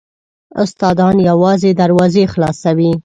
استادان یوازې دروازې خلاصوي .